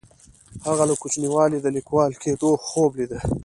هغه له کوچنیوالي د لیکوال کیدو خوب لیده.